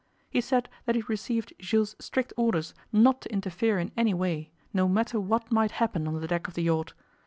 He said that he had received Jules' strict orders not to interfere in any way, no matter what might happen on the deck of the yacht.